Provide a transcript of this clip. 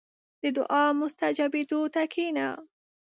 • د دعا مستجابېدو ته کښېنه.